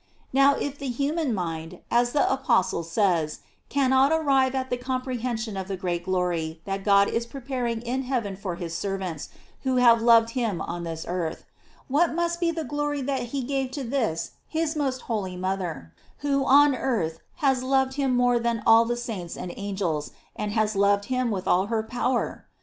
* Now, if the human mind, as the apostle says, cannot arrive at the comprehension of the great glory that God is preparing in heaven for his servants who have loved him on this earth, what must be the glory that he gave to this his most holy mother, who on earth has loved him more than all the saints and angels, and has loved him with all her power